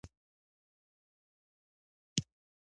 هغوی خپل ټولګی ته ځي